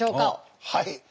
はい。